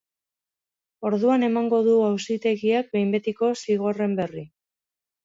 Orduan emango du auzitegiak behin betiko zigorren berri.